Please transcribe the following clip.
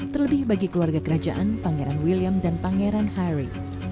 terlebih bagi keluarga kerajaan pangeran william dan pangeran harry